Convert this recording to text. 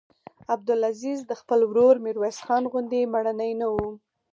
عبدالعزیز د خپل ورور میرویس خان غوندې مړنی نه و.